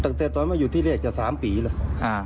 ตั้งแต่ตอนมาอยู่ที่แรกจะ๓ปีแล้ว